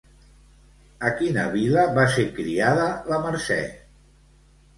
A quina vila va ser criada la Mercè?